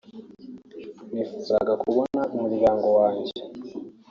nifuzaga kubona umuryango wanjye